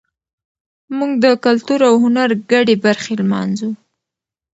موږ د کلتور او هنر ګډې برخې لمانځو.